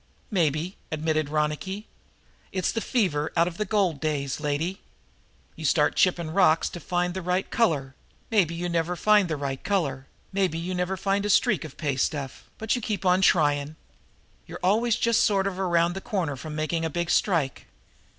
"Maybe," admitted Ronicky. "It's the fever out of the gold days, lady. You start out chipping rocks to find the right color; maybe you never find the right color; maybe you never find a streak of pay stuff, but you keep on trying. You're always just sort of around the corner from making a big strike."